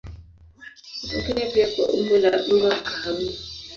Hutokea pia kwa umbo la unga kahawia.